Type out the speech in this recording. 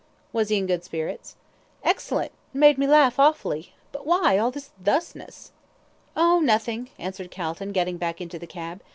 "Was he in good spirits?" "Excellent, made me laugh awfully but why all this thusness?" "Oh, nothing," answered Calton, getting back into the cab.